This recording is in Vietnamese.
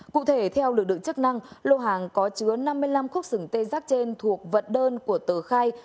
cụ thể theo lực lượng chức năng lô hàng có chứa năm mươi năm khúc sừng tê giác trên thuộc vận đơn của tờ khai